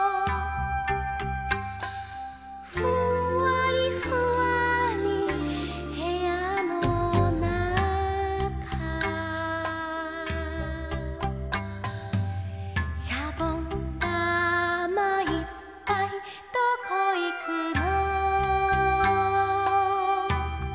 「ふんわりふわーりまどのそと」「しゃぼんだまいっぱいどこいくの」